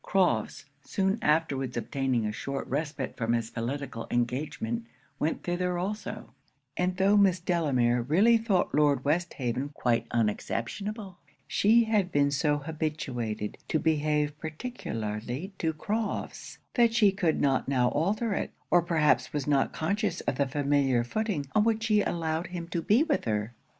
Crofts soon afterwards obtaining a short respite from his political engagement, went thither also; and tho' Miss Delamere really thought Lord Westhaven quite unexceptionable, she had been so habituated to behave particularly to Crofts, that she could not now alter it, or perhaps was not conscious of the familiar footing on which she allowed him to be with her.